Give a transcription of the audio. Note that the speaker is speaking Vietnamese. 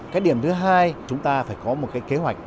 cái điểm thứ hai chúng ta phải có một cái kế hoạch